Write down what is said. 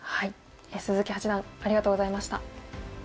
鈴木八段ありがとうございました。